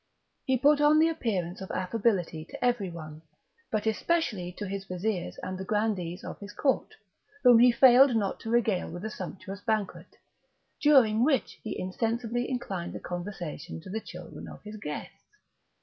He put on the appearance of affability to every one, but especially to his vizirs and the grandees of his court, whom he failed not to regale with a sumptuous banquet, during which he insensibly inclined the conversation to the children of his guests.